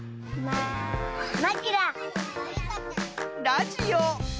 ラジオ。